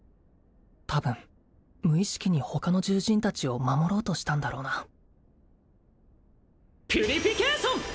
多分無意識に他の獣人達を守ろうとしたんだろうなピュリフィケイション！